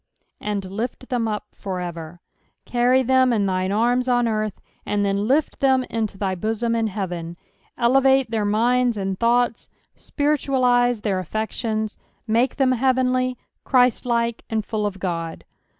"And lift them vpfor eeer." Carry them in thine arms on eartn, and then lift them into thy bosom in heaven. Elevate their minda and thoughts, spiritualise their aSections, make them heavenly, Chriatlike, and full of Ood.